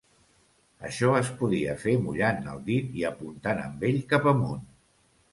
Això es podia fer mullant el dit i apuntant amb ell cap amunt.